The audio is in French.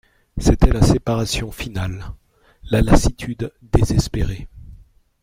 C'était la séparation finale, la lassitude désespérée.